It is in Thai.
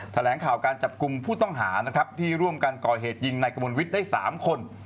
แถลงข่าวการจับกลุ่มผู้ต้องหานะครับที่ร่วมกันก่อเหตุยิงในกระมวลวิทย์ได้๓คน